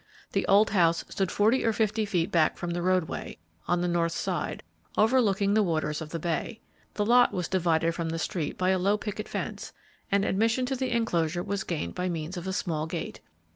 The old house stood forty or fifty feet back from the roadway, on the north side, overlooking the waters of the bay. The lot was divided from the street by a low picket fence, and admission to the enclosure was gained by means of a small gate.